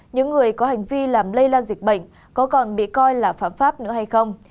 những người có hành vi làm lây lan dịch bệnh có còn bị coi là phạm pháp nữa hay không